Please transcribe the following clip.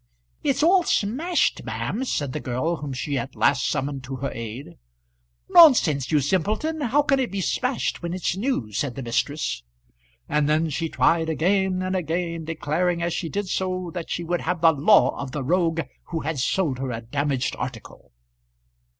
"It's all smashed, ma'am," said the girl whom she at last summoned to her aid. "Nonsense, you simpleton; how can it be smashed when it's new," said the mistress. And then she tried again, and again, declaring as she did do, that she would have the law of the rogue who had sold her a damaged article.